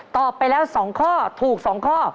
ตอบไปแล้ว๒ข้อถูก๒ข้อ